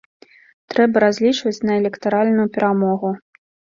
Трэба разлічваць на электаральную перамогу.